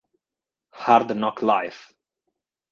Hard Knock Life.